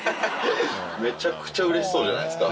めちゃくちゃうれしそうじゃないですか。